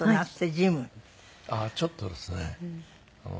ああちょっとですね